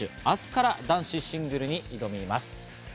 明日から男子シングルに挑みます。